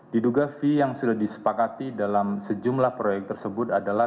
diduga fee yang sudah disepakati dalam sejumlah proyek tersebut adalah